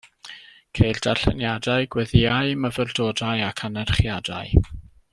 Ceir darlleniadau, gweddïau, myfyrdodau ac anerchiadau.